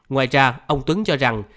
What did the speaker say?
ngoài ra ông tuấn cho rằng